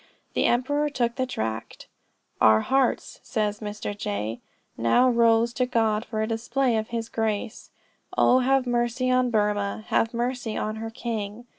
The emperor took the tract "Our hearts," says Mr. J., "now rose to God for a display of his grace. Oh have mercy on Burmah! Have mercy on her king!"